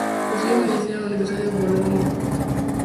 Estudia Medicina en la Universidad de Bolonia.